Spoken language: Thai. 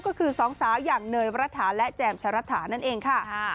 ก็คือสองสาวอย่างเนยวรัฐาและแจมชะรัฐานั่นเองค่ะ